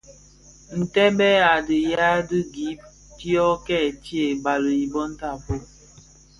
Ntèbèn a dhiyaï di gib dio kè tsee bali i bon tafog.